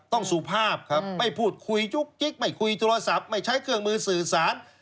สุภาพครับไม่พูดคุยจุ๊กกิ๊กไม่คุยโทรศัพท์ไม่ใช้เครื่องมือสื่อสาร